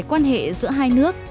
quan hệ giữa hai nước